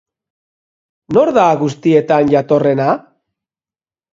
Nor da guztietan jatorrena?